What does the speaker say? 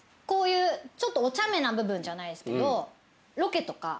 こういうちょっとおちゃめな部分じゃないですけど。